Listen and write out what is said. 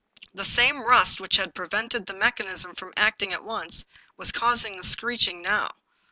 The same rust which had prevented the mech anism from acting at once was causing the screeching now.